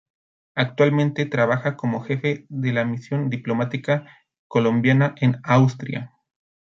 Actualmente trabaja como jefe de la misión diplomática colombiana en Austria.